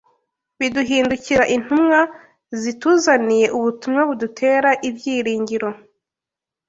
biduhindukira intumwa zituzaniye ubutumwa budutera ibyiringiro.